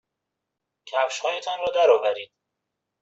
کفشهایتان را درآورید.